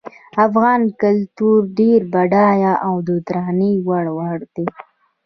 افغان کلتور ډیر بډایه او د درناوي وړ ده